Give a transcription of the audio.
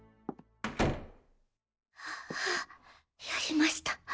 はぁやりました。